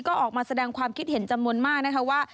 ก็ออกมาแสดงความคิดเห็นจำนวนมากนะคะว่า